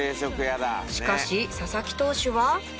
しかし佐々木投手は